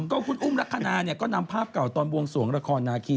ก็คุณอุ้มลักษณะก็นำภาพเก่าตอนบวงสวงละครนาคี